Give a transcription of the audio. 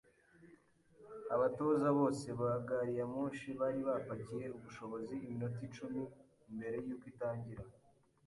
Abatoza bose ba gari ya moshi bari bapakiye ubushobozi iminota icumi mbere yuko itangira